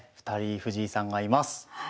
２人藤井さんがいます。